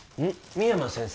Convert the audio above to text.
深山先生？